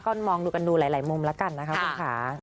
ก็มองดูกันดูหลายมุมแล้วกันนะคะคุณค่ะ